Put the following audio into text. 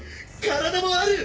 体もある！